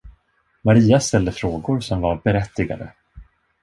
Maria ställde frågor som var berättigade.